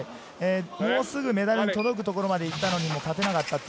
もうすぐメダルに届くところまで行ったのに取れなかった。